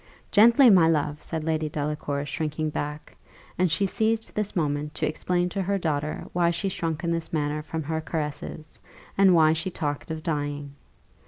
"Gently, my love!" said Lady Delacour, shrinking back; and she seized this moment to explain to her daughter why she shrunk in this manner from her caresses, and why she talked of dying.